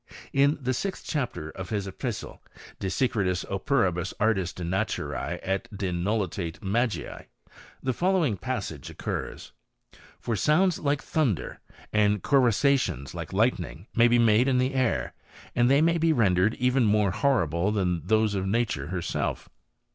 In the sixth chapter of his epistle De Secretis Operibus Artis et Natures et de NuUitate Magise, the following passage occurs :.'^ For sounds like thunder, and coruscations like lightning, may be made in the air, and they may be rendered even more horrible than those of nature her self.